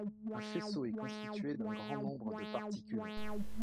Un faisceau est constitué d'un grand nombre de particules.